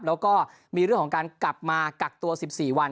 แล้วก็มีเรื่องของการกลับมากักตัว๑๔วัน